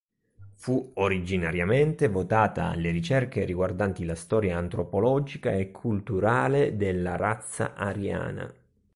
Fu originariamente votata alle ricerche riguardanti la storia antropologica e culturale della razza ariana.